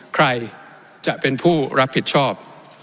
ใครจะเป็นผู้รับผิดชอบ